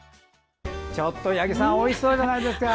八木さんおいしそうじゃないですか！